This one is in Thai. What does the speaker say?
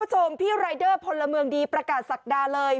คุณผู้ชมพี่รายเดอร์พลเมืองดีประกาศศักดาเลย